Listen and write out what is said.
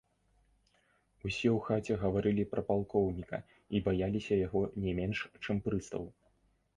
Усе ў хаце гаварылі пра палкоўніка і баяліся яго не менш, чым прыстаў.